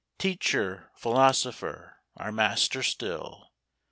Teacher, Philosopher ! our Master still